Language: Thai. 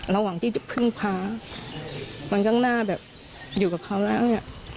แล้วหวังที่จะผึ้งพาทอนตั้งหน้าอยู่กับเขาแล้ว